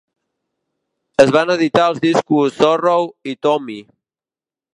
Es van editar els discos "Sorrow" i "Tommy".